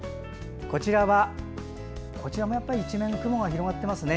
こちらも一面雲が広がっていますね。